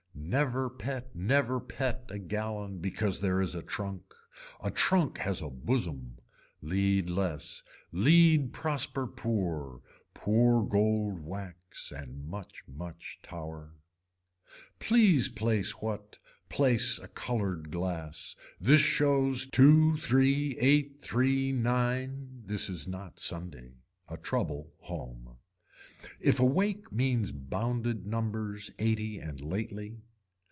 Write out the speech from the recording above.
Never pet never pet a gallon because there is a trunk. A trunk has a bosom. Lead less. Lead prosper pour, poor gold wax and much much tower. Please place what, place a colored glass. This shows two three eight three nine. This is not sunday. A trouble home. If a wake means bounded numbers eighty and lately.